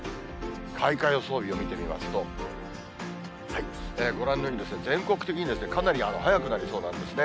開花予想日を見てみますと、ご覧のように、全国的にかなり早くなりそうなんですね。